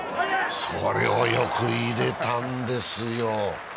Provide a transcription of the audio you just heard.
それをよく入れたんですよ。